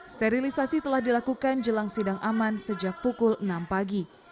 sterilisasi telah dilakukan jelang sidang aman sejak pukul enam pagi